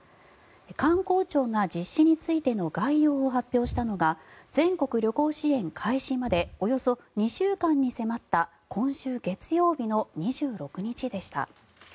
観光庁が実施についての概要を発表したのが全国旅行支援開始までおよそ２週間に迫った今週月曜日の２６日でした。